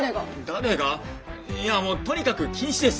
誰がいやもうとにかく禁止です！